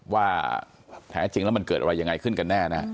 ว่าแท้จริงแล้วมันเกิดอะไรยังไงขึ้นกันแน่นะ